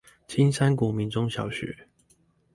青山國民中小學